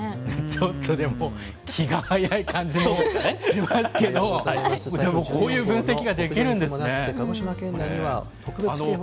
ちょっとでも、気が早い感じもしますけど、でも、こういう分析ができるんですね。